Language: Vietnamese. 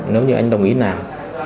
nếu như anh ấy đồng ý làm